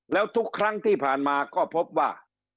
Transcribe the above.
แล้วทุกครั้งที่ผ่านมาก็พบว่า